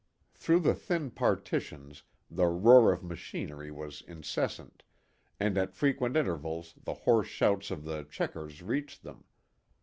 Through the thin partitions the roar of machinery was incessant, and at frequent intervals the hoarse shouts of the "checkers" reached them.